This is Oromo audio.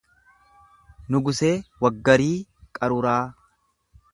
Nugusee Waggarii Qaruraa